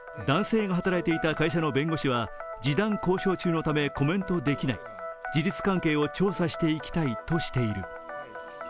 男性が働いていた会社の弁護士は示談交渉中のためコメントできない事実関係を調査していきたいとしている。